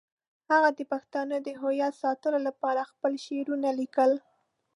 هغه د پښتنو د هویت ساتلو لپاره خپل شعرونه لیکل.